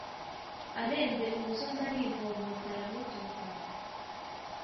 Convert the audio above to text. arenze umusozi arivovota aramutuka.